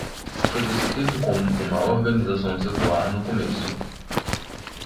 Foi descrito como uma organização secular no começo.